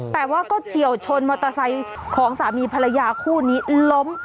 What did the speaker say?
แต่ว่าก็เฉียวชนมอเตอร์ไซค์ของสามีภรรยาคู่นี้ล้ม